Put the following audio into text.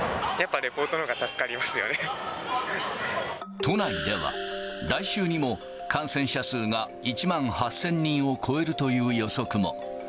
やっぱリポートのほうが助か都内では、来週にも感染者数が１万８０００人を超えるという予測も。